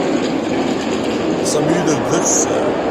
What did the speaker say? Sami yuder-d d akessar.